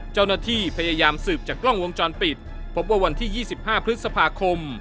เจ้าหน้าที่พยายามสืบจากกล้องวงจรปิดพบว่าวันที่๒๕พฤษภาคม